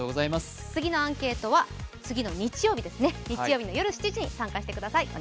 次のアンケートは次の日曜日の夜７時に参加してください。